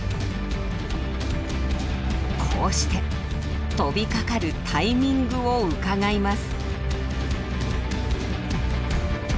こうして飛びかかるタイミングをうかがいます。